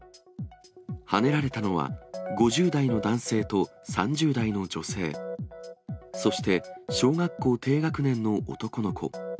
はねられたのは５０代の男性と３０代の女性、そして小学校低学年の男の子。